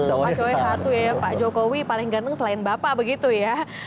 pak cowoknya satu ya pak jokowi paling ganteng selain bapak begitu ya